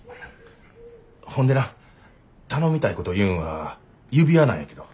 ほんでな頼みたいこというんは指輪なんやけど。